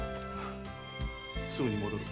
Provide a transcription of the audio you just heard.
すぐに戻る。